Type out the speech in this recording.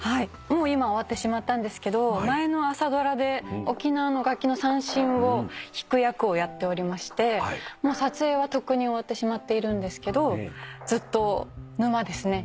もう今終わってしまったんですけど前の朝ドラで沖縄の楽器の三線を弾く役をやっておりまして撮影はとっくに終わってしまっているんですけどずっと沼ですね。